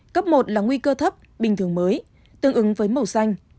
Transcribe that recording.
cấp một là nguy cơ thấp bình thường mới tương ứng với màu xanh